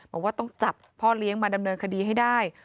บอกว่าต้องจับพ่อเลี้ยงมาดำเนินคดีให้ได้